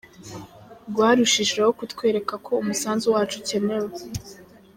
Rwarushijeho kutwereka ko umusanzu wacu ukenewe.